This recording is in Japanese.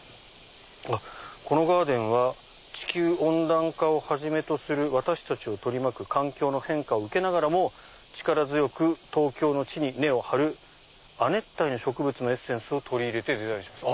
あっ「このガーデンは地球温暖化をはじめとする私たちを取りまく環境の変化を受けながらも力強く東京の地に根を張る亜熱帯の植物のエッセンスを取り入れてデザインしました」。